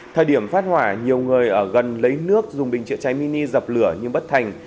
thời điểm phát hỏa nhiều người ở gần lấy nước dùng bình chữa cháy mini dập lửa nhưng bất thành